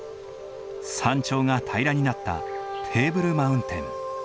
山頂が平らになったテーブルマウンテン。